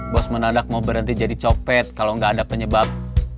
bos menadak mau berhenti jadi copet kalau nggak ada penyebab